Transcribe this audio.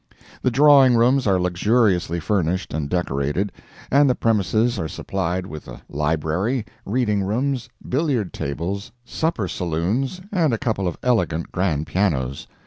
The drawing rooms are luxuriously furnished and decorated, and the premises are supplied with a library, reading rooms, billiard tables, supper saloons, and a couple of elegant grand pianos.